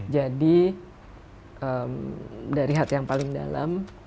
jadi dari hati yang paling dalam